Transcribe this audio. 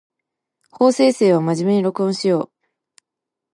法政生は真面目に録音しよう